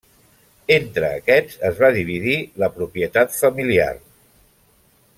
Entre aquests es va dividir la propietat familiar.